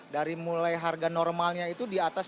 dari mulai harga normalnya itu di atas dua tiga ratus